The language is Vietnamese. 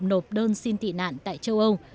nộp đơn xin tị nạn tại châu âu